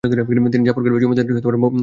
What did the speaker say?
তিনি জাফরগড়ের জমিদারদের বংশধর ছিলেন।